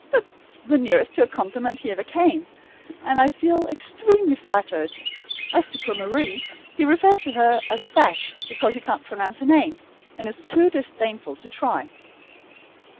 That's the nearest to a compliment he ever came, and I feel extremely flattered. As to poor Marie, he refers to her as "Bash" because he can't pronounce her name, and is too disdainful to try.